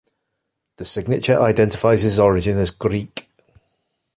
The signature identifies his origin as Greek.